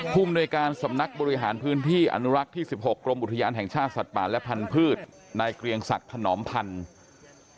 ภูมิหน่วยการสำนักบริหารพื้นที่อนุรักษ์ที่๑๖กรมอุทยานแห่งชาติสัตว์ป่าและพันธุ์นายเกรียงศักดิ์ถนอมพันธุ์